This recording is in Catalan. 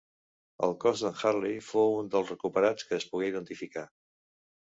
El cos d'en Hartley fou un dels recuperats que es pogué identificar.